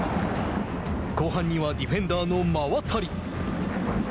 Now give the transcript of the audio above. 後半にはディフェンダーの馬渡。